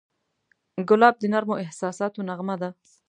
ګلاب د نرمو احساساتو نغمه ده.